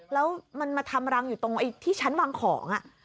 แล้วมันมาทำรังอยู่ตรงที่ชั้นวางของ